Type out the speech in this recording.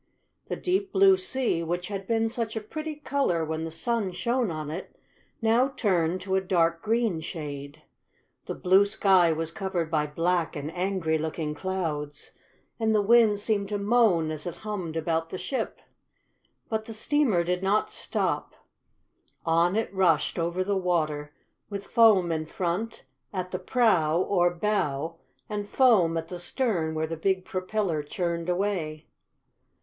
The deep, blue sea, which had been such a pretty color when the sun shone on it, now turned to a dark green shade. The blue sky was covered by black and angry looking clouds, and the wind seemed to moan as it hummed about the ship. But the steamer did not stop. On it rushed over the water, with foam in front, at the prow, or bow, and foam at the stern where the big propeller churned away.